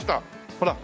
ほら。